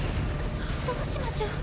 どどうしましょう？